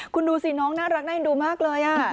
คุณดูสิน้องน่ารักน่าเอ็นดูมากเลย